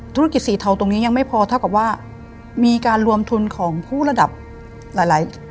ธุรกิจสีเทาตรงนี้ยังไม่พอเท่ากับว่ามีการรวมทุนของผู้ระดับหลายหลาย